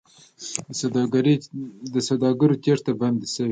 د سوداګرو تېښته بنده شوې؟